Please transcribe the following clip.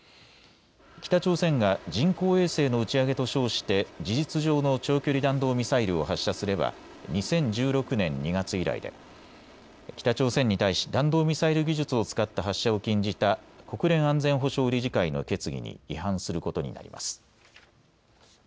北朝鮮が人工衛星の打ち上げと称して事実上の長距離弾道ミサイルを発射すれば２０１６年２月以来で、北朝鮮に対し弾道ミサイル技術を使った発射を禁じた国連安全保障理事会の決議に違反することになります。